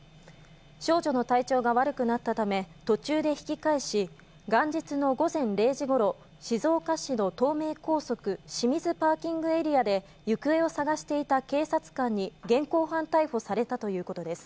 少女の体調が悪くなったため、途中で引き返し、元日の午前０時ごろ、静岡市の東名高速清水パーキングエリアで、行方を捜していた警察官に現行犯逮捕されたということです。